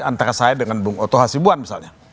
antara saya dengan bung oto hasibuan misalnya